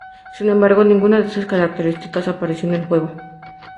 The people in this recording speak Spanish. Sin embargo, ninguna de estas características apareció en el juego.